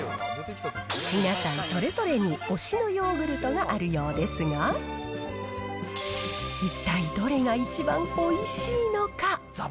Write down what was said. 皆さん、それぞれに推しのヨーグルトがあるようですが、一体、どれが一番おいしいのか。